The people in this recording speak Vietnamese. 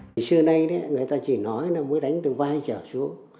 trước nay người ta chỉ nói là muốn đánh từ vai trở xuống